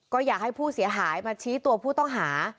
ก็อยากให้ผู้เสียหายมาชี้ตัวผู้ต้องหา